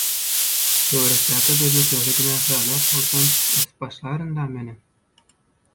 Töweregimdäki düzlükleri günäkärläp bolsam ösüp başlarynda menem.